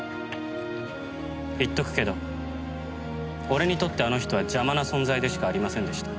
言っとくけど俺にとってあの人は邪魔な存在でしかありませんでした。